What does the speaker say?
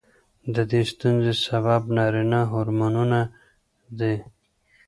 د دې ستونزې سبب نارینه هورمونونه دي.